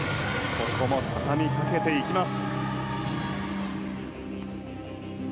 後半も畳み掛けていきます。